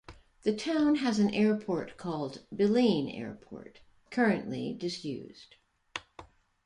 The town has an airport called Bilene Airport, currently disused.